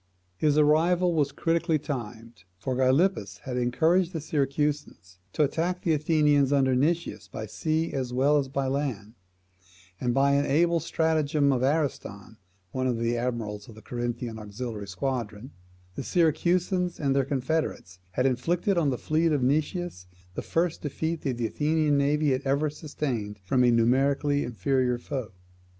His arrival was critically timed; for Gylippus had encouraged the Syracusans to attack the Athenians under Nicias by sea as well as by land, and by an able stratagem of Ariston, one of the admirals of the Corinthian auxiliary squadron, the Syracusans and their confederates had inflicted on the fleet of Nicias the first defeat that the Athenian navy had ever sustained from a numerically inferior foe.